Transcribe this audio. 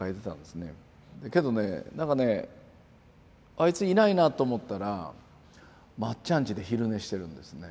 けどねなんかね「あいついないな」と思ったらまっちゃん家で昼寝してるんですね。